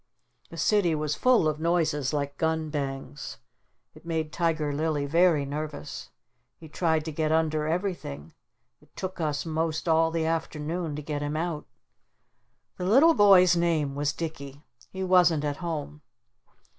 The city was full of noises like gun bangs. It made Tiger Lily very nervous. He tried to get under everything. It took us most all the afternoon to get him out. The little boy's name was Dicky. He wasn't at home.